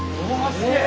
すげえ！